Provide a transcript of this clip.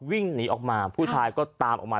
วิ่งหนีออกมาผู้ชายก็ตามออกมา